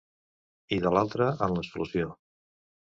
I, de l’altra, en la solució.